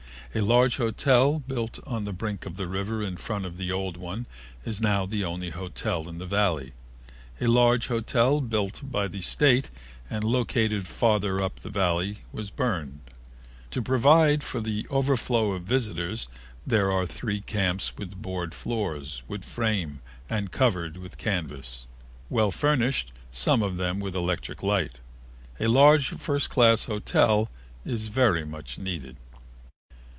A large hotel built on the brink of the river in front of the old one is now the only hotel in the Valley. A large hotel built by the State and located farther up the Valley was burned. To provide for the overflow of visitors there are three camps with board floors, wood frame, and covered with canvas, well furnished, some of them with electric light. A large first class hotel is very much needed.